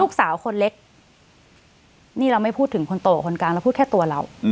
ลูกสาวคนเล็กนี่เราไม่พูดถึงคนโตคนกลางเราพูดแค่ตัวเรา